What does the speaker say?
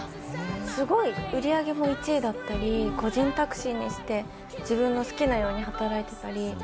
すごい売り上げも１位だったり個人タクシーにして自分の好きなように働いてたり。